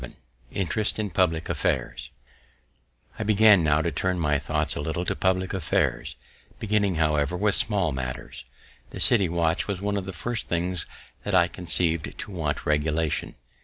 XI INTEREST IN PUBLIC AFFAIRS I began now to turn my thoughts a little to public affairs, beginning, however, with small matters. The city watch was one of the first things that I conceiv'd to want regulation.